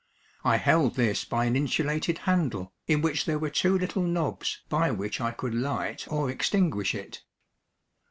I held this by an insulated handle, in which there were two little knobs, by which I could light or extinguish it.